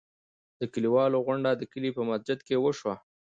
د کلیوالو غونډه د کلي په مسجد کې وشوه.